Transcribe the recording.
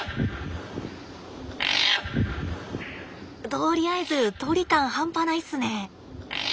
とりあえず鳥感半端ないっすね。